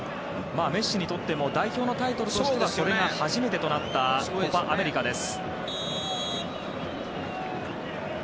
メッシにとっても代表のタイトルとしてはこれが初めてとなったコパ・アメリカです。